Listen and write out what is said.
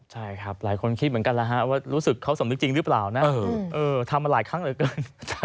ใช่ครับหลายคนคิดเหมือนกันแล้วว่ารู้สึกเขาสมนึกจริงหรือเปล่านะทำมาหลายครั้งเหลือเกิน